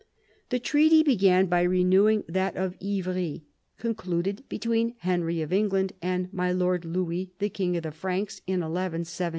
The treaty began by renewing that of Ivry, concluded between Henry of England and " my lord Louis, the king of the Franks " in 1177.